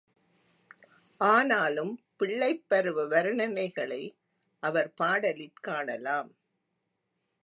ஆனாலும் பிள்ளைப் பருவ வருணனைகளை அவர் பாடலிற் காணலாம்.